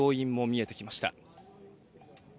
見えてきました。